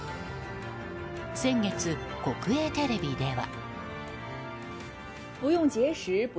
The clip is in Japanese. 先月、国営テレビでは。